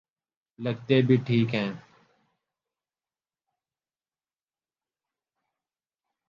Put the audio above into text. لگتے بھی ٹھیک ہیں۔